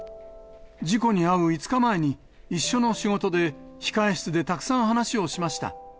事故に遭う５日前に、一緒の仕事で控室でたくさん話をしました。